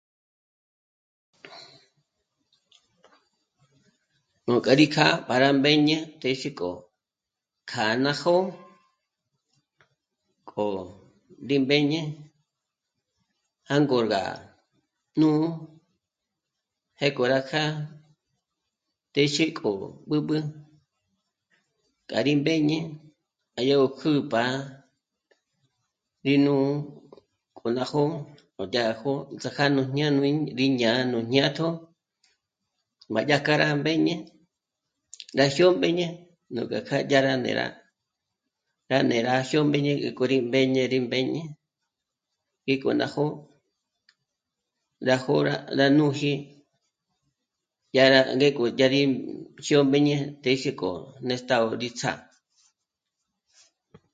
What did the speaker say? Nú kjá rí kjâ'a pa ná mbéñe téxe kjo kjâ'a ná jó'o k'o rí mbéñe jângor gá nù'u pjéko rá kjâ'a téxe k'o b'ǚb'ü k'a rí mbéñe kja yó kjǘp'a rí nù'u kjo ná jó'o o dyá rá jó'o ts'á ka nú jñâjnui gí jñá'a nú jñátjo má dyájkja rá mbéñe rá jyómbéñe nújk'a kjâ ndé rá... rá ndé rá jyómbéñe k'o rí mbéñe rí mbéñe ngí k'o ná jó'o rá jô'o rá nùji dyá rá ngéko dya rí jyómbéñe téxe k'o n'èsta ó rí ts'á'a